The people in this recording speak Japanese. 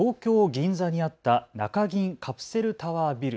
銀座にあった中銀カプセルタワービル。